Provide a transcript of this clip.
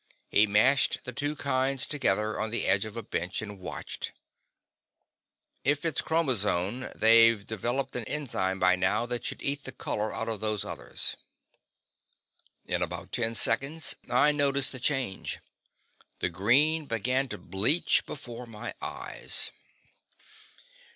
He mashed the two kinds together on the edge of a bench and watched. "If it's chromazone, they've developed an enzyme by now that should eat the color out of those others." In about ten seconds, I noticed the change. The green began to bleach before my eyes.